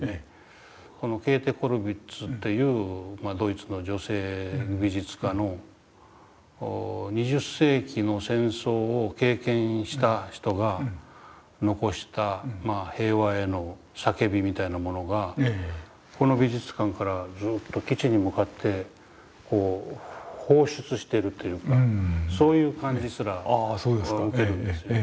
このケーテ・コルヴィッツというドイツの女性の美術家の２０世紀の戦争を経験した人が残した平和への叫びみたいなものがこの美術館からずっと基地に向かってこう放出してるというかそういう感じすら受けるんですね。